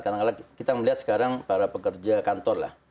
karena kita melihat sekarang para pekerja kantor lah